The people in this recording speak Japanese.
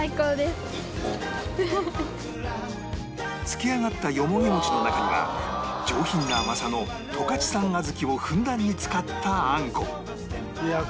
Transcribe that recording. つき上がったよもぎ餅の中には上品な甘さの十勝産小豆をふんだんに使ったあんこ